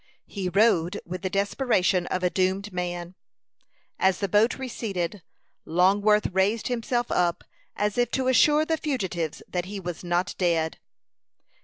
He rowed with the desperation of a doomed man. As the boat receded, Longworth raised himself up, as if to assure the fugitives that he was not dead.